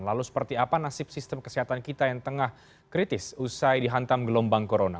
lalu seperti apa nasib sistem kesehatan kita yang tengah kritis usai dihantam gelombang corona